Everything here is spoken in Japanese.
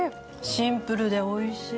シンプルでおいしい。